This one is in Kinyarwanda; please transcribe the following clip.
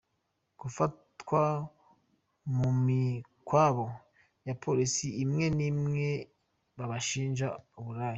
Gufatwa mu mikwabo ya polisi imwe n’imwe babashinja uburaya;.